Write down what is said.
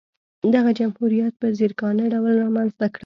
دغه جمهوریت په ځیرکانه ډول رامنځته کړل.